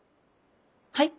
はい？